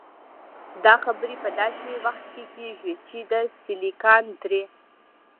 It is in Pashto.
دا خبرې په داسې وخت کې کېږي چې د 'سیليکان درې'.